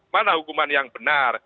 mana hukuman yang benar